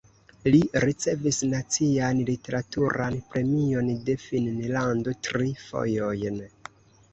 Li ricevis nacian literaturan premion de Finnlando tri fojojn.